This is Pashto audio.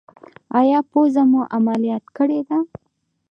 ایا پوزه مو عملیات کړې ده؟